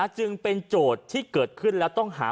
จึงเป็นโจทย์ที่เกิดขึ้นแล้วต้องหา